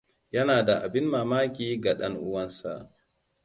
Yana da abin mamaki ga ɗan ɗanuwansa.